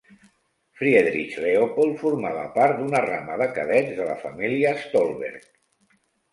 Friedrich Leopold formava part d'una rama de cadets de la família Stolberg.